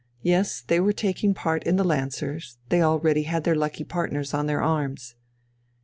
Yes, they were taking part in the lancers, they already had their lucky partners on their arms.